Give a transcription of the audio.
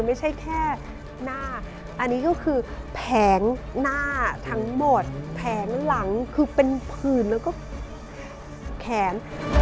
ไม่ใช่แค่หน้าอันนี้ก็คือแผงหน้าทั้งหมดแผงหลังคือเป็นผื่นแล้วก็แขน